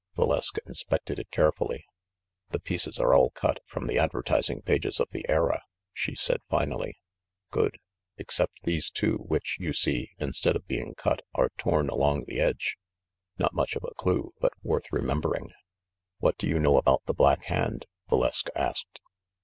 Valeska inspected it carefully. "The pieces are all cut from the advertising pages of The Era," she said finally. "Good! Except these two, which, you see, instead of being cut, are torn along the edge. Not much of a clue, but worth remembering." "What do you know about the Black Hand?" Va leska asked.